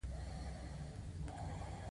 تاسو بریالي کیدی شئ